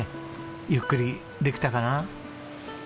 ゆっくりできたかな？